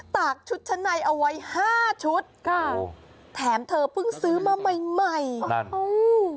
ตากชุดชั้นในเอาไว้๕ชุดแถมเธอเพิ่งซื้อมาใหม่โอ้โฮโอ้โฮ